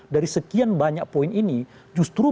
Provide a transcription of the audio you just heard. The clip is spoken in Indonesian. dari sekian banyak poin ini justru